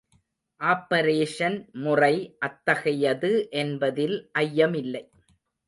Operation முறை அத்தகையது என்பதில் ஐயமில்லை.